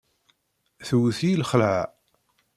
Tewt-iyi lxelεa.